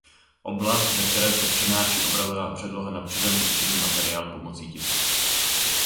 Oblast ve které se přenáší obrazová předloha na předem určený materiál pomocí tisku.